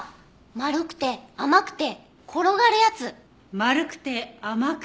丸くて甘くて転がる。